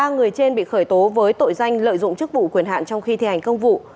ba người trên bị khởi tố với tội danh lợi dụng chức vụ quyền hạn trong khi thi hành công vụ